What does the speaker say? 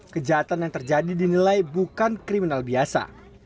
kejahatan yang terjadi dinilai bukan kriminal biasa